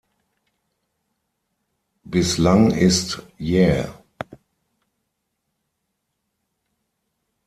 Bislang ist "Yeah!